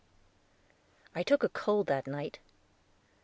I took a cold that night.